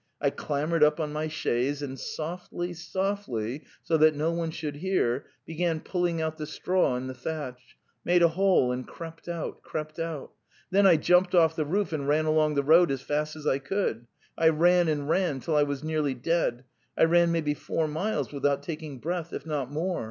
... I clambered up on my chaise and softly, . softly so that no one should hear, began pull ing out the straw in the thatch, made a hole and crept out, crept out. ... Then I jumped off the roof and ran along the road as fast asI could. I ran and ran till I was nearly dead. ... I ran maybe four miles without taking breath, if not more.